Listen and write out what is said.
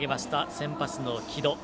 先発の城戸。